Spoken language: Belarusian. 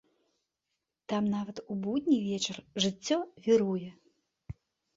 Там нават у будні вечар жыццё віруе.